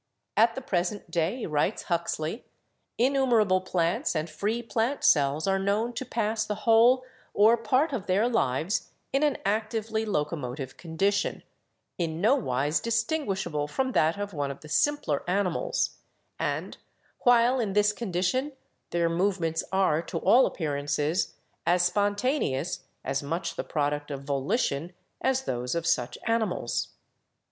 "At the present day," writes Huxley, "innumerable plants and free plant cells are known to pass the whole or part of their lives in an actively locomotive condition, in nowise distinguishable from that of one of the simpler animals, and while in this condition their movements are, to all appearances, as spontaneous — as much the product of volition — as those of such animals.